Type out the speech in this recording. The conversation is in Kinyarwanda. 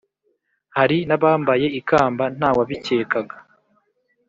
hari n’abambaye ikamba nta wabikekaga